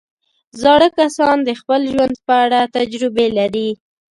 زاړه کسان د خپل ژوند په اړه تجربې لري